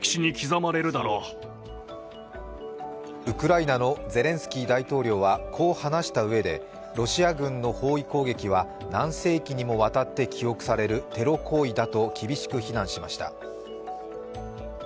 ウクライナのゼレンスキー大統領はこう話したうえで、ロシア軍の包囲攻撃は何世紀にもわたって記憶されるテロ行為だと厳しく非難しました。